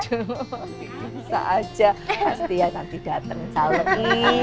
juh bisa aja pasti ya nanti dateng saluki